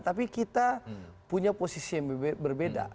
tapi kita punya posisi yang berbeda